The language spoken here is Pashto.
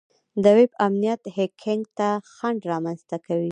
د ویب امنیت هیکینګ ته خنډ رامنځته کوي.